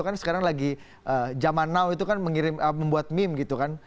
kan sekarang lagi zaman now itu kan membuat meme gitu kan